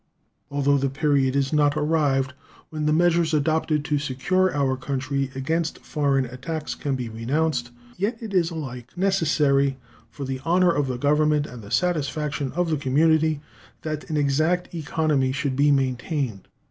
Although the period is not arrived when the measures adopted to secure our country against foreign attacks can be renounced, yet it is alike necessary for the honor of the Government and the satisfaction of the community that an exact economy should be maintained.